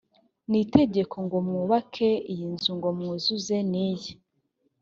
ni itegeko ngo mwubake iyi nzu ngo mwuzuze n’iyi